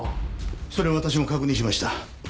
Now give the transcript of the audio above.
それは私も確認しました。